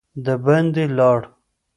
د باندي لاړ.